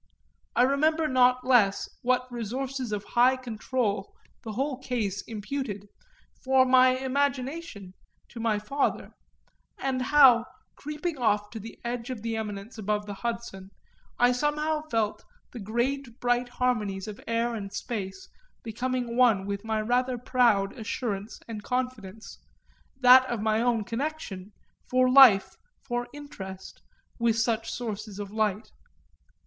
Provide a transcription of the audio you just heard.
I remember not less what resources of high control the whole case imputed, for my imagination, to my father; and how, creeping off to the edge of the eminence above the Hudson, I somehow felt the great bright harmonies of air and space becoming one with my rather proud assurance and confidence, that of my own connection, for life, for interest, with such sources of light.